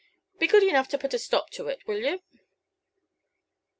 "Be good enough to put a stop to it, will you?"